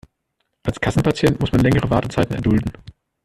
Als Kassenpatient muss man längere Wartezeiten erdulden.